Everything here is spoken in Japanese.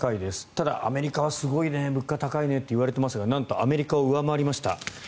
ただ、アメリカはすごいね物価高いねと言われていますがなんとアメリカを上回りました。